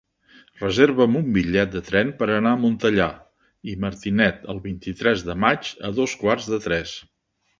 Reserva'm un bitllet de tren per anar a Montellà i Martinet el vint-i-tres de maig a dos quarts de tres.